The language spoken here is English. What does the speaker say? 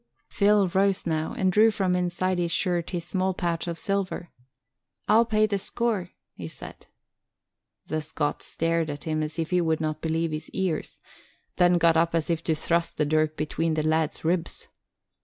Phil rose now, and drew from inside his shirt his small pouch of silver. "I'll pay the score," he said. The Scot stared at him as if he would not believe his ears, then got up as if to thrust the dirk between the lad's ribs.